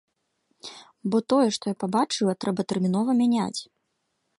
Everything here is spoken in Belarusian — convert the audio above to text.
Бо тое, што я пабачыла, трэба тэрмінова мяняць.